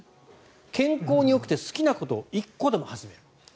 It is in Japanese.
健康によくて好きなことを１個でも始める。